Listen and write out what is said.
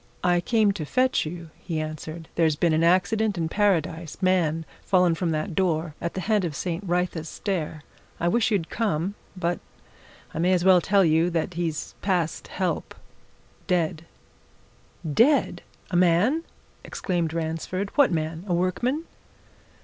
"I came to fetch you," he answered. "There's been an accident in Paradise man fallen from that door at the head of St. Wrytha's Stair. I wish you'd come but I may as well tell you that he's past help dead!" "Dead! A man?" exclaimed Ransford. "What man? A workman?"